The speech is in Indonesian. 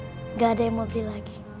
enggak ada yang mau beli lagi